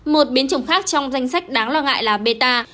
một biến chủng khác trong danh sách đáng lo ngại là beta